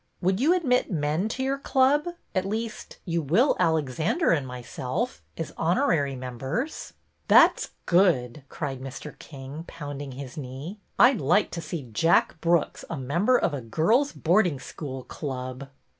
Would you admit men to your club ? At least, you will Alexander and myself, as honorary members." That 's good !" cried Mr. King, pounding his knee. " l^d like to see Jack Brooks a member of a girls' boarding school club."